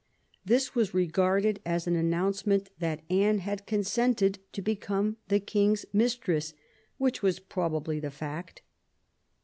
This was re garded as an announcement that Anne had consented to become the King's mistress, which was probably the fact.